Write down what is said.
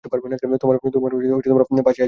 তোমার পাশে আছি আমি!